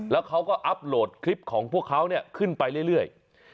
แล้วเขาก็อัพโหลดคลิปของพวกเขาขึ้นไปเรื่อย